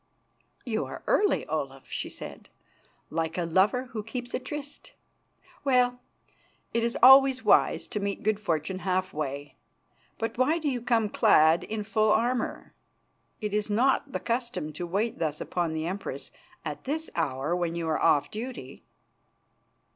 "You are early, Olaf," she said, "like a lover who keeps a tryst. Well, it is always wise to meet good fortune half way. But why do you come clad in full armour? It is not the custom to wait thus upon the Empress at this hour when you are off duty."